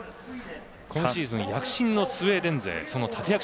今シーズン躍進のスウェーデン勢。